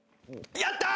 やったー！